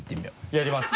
やります。